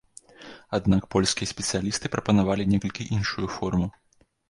Аднак польскія спецыялісты прапанавалі некалькі іншую форму.